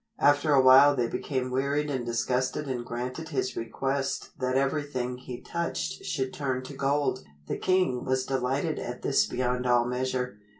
After a while they became wearied and disgusted and granted his request that everything he touched should turn to gold. The king was delighted at this beyond all measure.